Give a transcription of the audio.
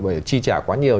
bởi vì chi trả quá nhiều